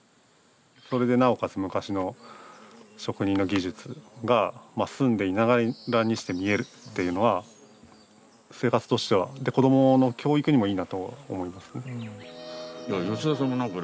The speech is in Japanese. それでなおかつ昔の職人の技術が住んでいながらにして見えるというのは生活としては子どもの教育にもいいなと思います。